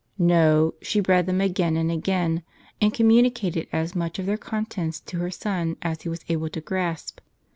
No; she read them again and again and communicated as much of their contents to her son as he was able to grasp.